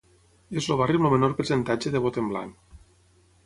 És el barri amb el menor percentatge de vot en blanc.